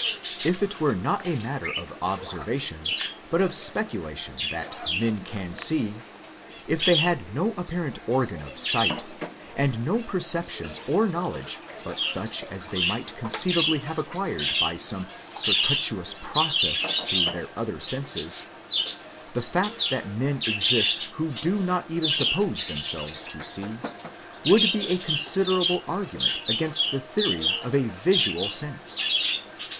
If it were not a matter of observation but of speculation that men can see ; if they had no apparent organ of sight, and no perceptions or knowledge but such as they might conceivably have acquired by some circuitous process through their other senses, the fact that men exist who do not even suppose themselves to see, would be a considerable argument against the theory 160 THEISM of a visual sense.